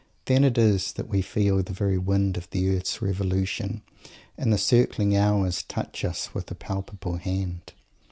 Then it is that we feel the very wind of the earth's revolution, and the circling hours touch us with a palpable hand.